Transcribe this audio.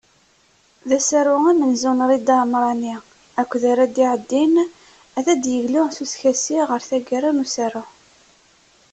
D asaru amenzu n Rida Amrani akked ara d-iɛeddin, ad d-yeglu s uskasi ɣer tagara n usaru.